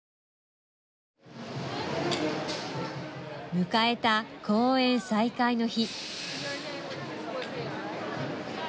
迎えた公演再開の日。